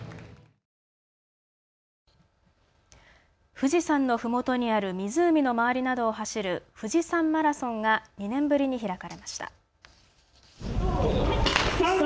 富士山のふもとにある湖の周りなどを走る富士山マラソンが２年ぶりに開かれました。